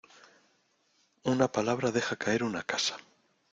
Una palabra deja caer una casa.